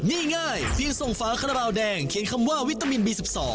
นี่ง่ายเพียงส่งฝาคาราบาลแดงเขียนคำว่าวิตามินบี๑๒